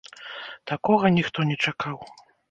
Такога ніхто не чакаў.